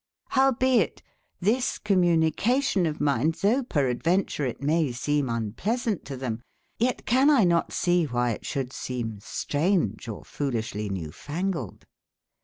f)owebeit this communication of mine, thoughe peradventure it maye seme unplesaunte to them, yet can X not see why it shoulde seme straunge, or folishely newfangled.